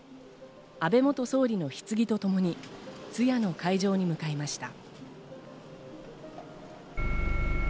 安倍元総理の棺とともに通夜の会場に向かいました。